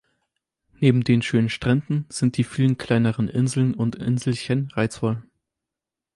Neben den schönen Stränden sind die vielen kleineren Inseln und Inselchen reizvoll.